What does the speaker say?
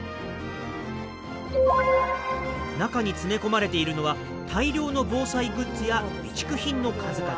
中に詰め込まれているのは大量の防災グッズや備蓄品の数々。